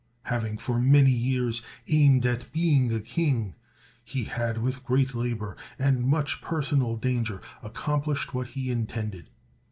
Having for many years aimed at being a king, he had with great labor, and much personal danger, accomplished what he intended.